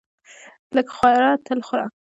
لږ خوره تل خوره.